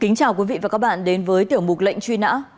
kính chào quý vị và các bạn đến với tiểu mục lệnh truy nã